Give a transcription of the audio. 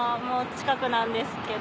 近くなんですけど。